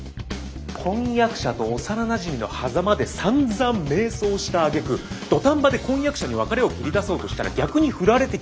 婚約者と幼なじみのはざまでさんざん迷走したあげく土壇場で婚約者に別れを切り出そうとしたら逆に振られて